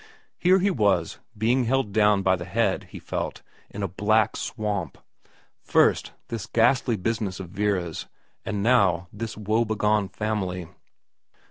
Here he was, being held down by the head, he felt, in a black swamp, first that ghastly business of Vera's, and now this woebegone family.